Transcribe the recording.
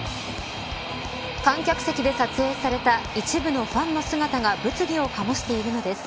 観客席で撮影された一部のファンの姿が物議を醸しているのです。